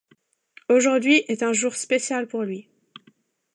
Aujourd'hui est un jour spécial pour lui.